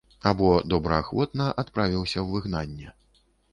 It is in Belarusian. Або добраахвотна адправіўся ў выгнанне.